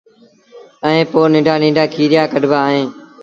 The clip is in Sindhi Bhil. ائيٚݩ پو ننڍآ ننڍآ کيريآ ڪڍبآ اهيݩ